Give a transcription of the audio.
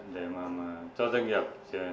để cho doanh nghiệp